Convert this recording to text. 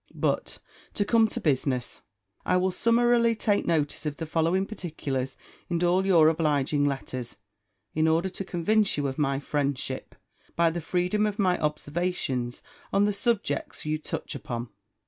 But to come to business, I will summarily take notice of the following particulars in all your obliging letters, in order to convince you of my friendship, by the freedom of my observations on the subjects you touch upon.